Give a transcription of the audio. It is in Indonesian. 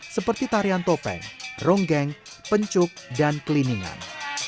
seperti tarian topeng ronggeng pencuk dan keliningan